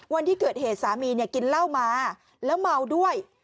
วันที่เกิดเหตุสามีเนี่ยกินเหล้ามาแล้วเมาด้วย